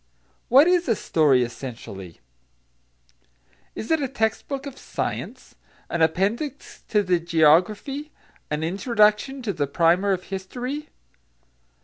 What is a story, essentially? Is it a text book of science, an appendix to the geography, an introduction to the primer of history?